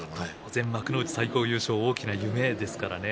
当然、幕内最高優勝大きな夢ですからね。